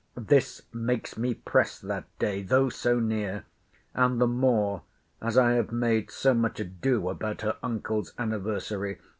—This makes me press that day, though so near; and the more, as I have made so much ado about her uncle's anniversary.